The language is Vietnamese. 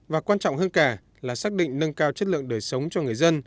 và quan trọng hơn cả là xác định nâng cao chất lượng đời sống cho người dân